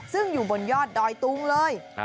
ซึ่งอยู่บนยอดดอยตุงเลย